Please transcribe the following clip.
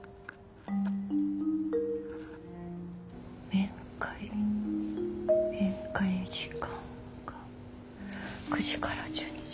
面会面会時間が９時から１２時。